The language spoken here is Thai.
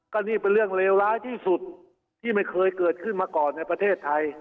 ก็นี่เป็นเรื่องเลวร้ายที่สุดที่ไม่เคยเกิดขึ้นมาก่อนในประเทศไทย